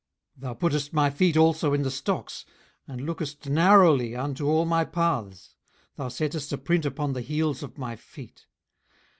18:013:027 Thou puttest my feet also in the stocks, and lookest narrowly unto all my paths; thou settest a print upon the heels of my feet.